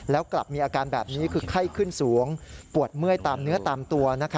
แล้วกลับมีอาการแบบนี้คือไข้ขึ้นสูงปวดเมื่อยตามเนื้อตามตัว